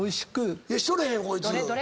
しとれへんこいつ。